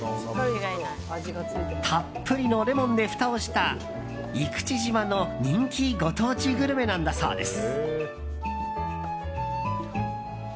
たっぷりのレモンでふたをした生口島の人気ご当地グルメなんだそうです。